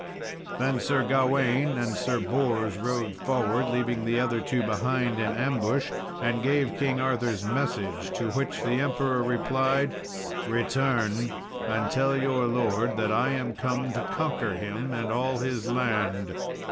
Then Sir Gawain and Sir Bors rode forward, leaving the other two behind in ambush, and gave King Arthur's message. To which the Emperor replied, "Return, and tell your lord that I am come to conquer him and all his land."